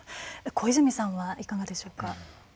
小泉さんはいかがでしょうか。